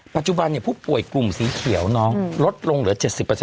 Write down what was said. ปัจจุบันผู้ป่วยกลุ่มสีเขียวน้องลดลงเหลือ๗๐